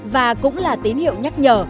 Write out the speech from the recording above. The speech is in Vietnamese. và cũng là tín hiệu nhắc nhở